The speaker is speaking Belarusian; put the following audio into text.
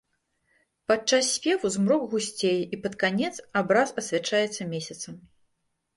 Падчас спеву змрок гусцее, і пад канец абраз асвячаецца месяцам.